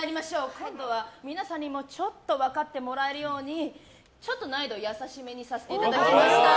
今度は皆さんにもちょっと分かってもらえるようにちょっと難易度を易しめにさせていただきました。